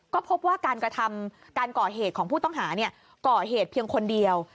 ก็พบว่าการกระทำการก่อเหตุของผู้ต้องหาก่อเหตุเพียงคนเดียว